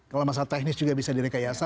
kalau masalah teknis juga bisa direkayasa